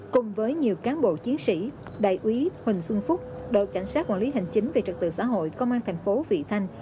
cùng với nhiều cán bộ chiến sĩ đại úy huỳnh xuân phúc đội cảnh sát quản lý hành chính về trật tự xã hội công an thành phố vị thanh